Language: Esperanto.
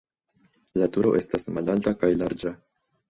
La turo estas malalta kaj larĝa.